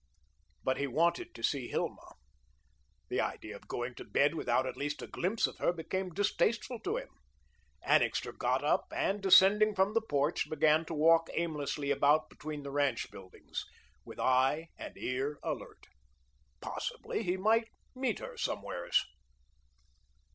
But he wanted to see Hilma. The idea of going to bed without at least a glimpse of her became distasteful to him. Annixter got up and descending from the porch began to walk aimlessly about between the ranch buildings, with eye and ear alert. Possibly he might meet her somewheres.